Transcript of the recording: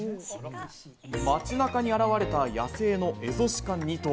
街中に現れた野生のエゾシカ２頭。